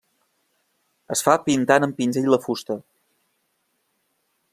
Es fa pintant amb pinzell la fusta.